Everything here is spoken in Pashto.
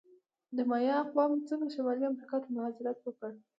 د مایا اقوامو څنګه شمالي امریکا ته مهاجرت وکړ؟